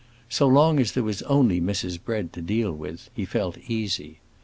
So long as there was only Mrs. Bread to deal with, he felt easy.